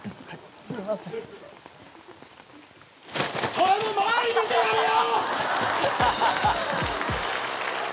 それも周り見てやれよ！！